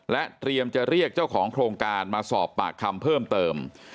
เตรียมจะเรียกเจ้าของโครงการมาสอบปากคำเพิ่มเติม